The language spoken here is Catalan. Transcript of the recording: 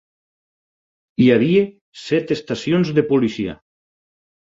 Hi havia set estacions de policia.